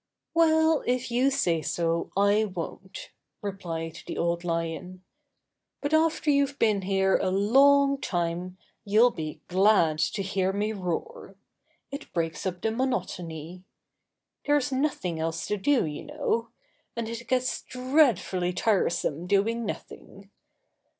"Well, if you say so, I won't," replied the Old Lion. "But after you've been here a long time you'll be glad to hear me roar. It breaks up the monotony. There's nothing else to do, you know, and it gets dreadfully tiresome doing nothing.